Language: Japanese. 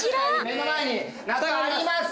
目の前に納豆あります！